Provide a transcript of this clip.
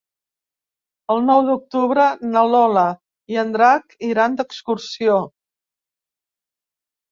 El nou d'octubre na Lola i en Drac iran d'excursió.